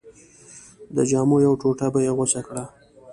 د جامو یوه ټوټه به یې غوڅه کړه.